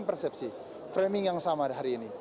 persepsi framing yang sama hari ini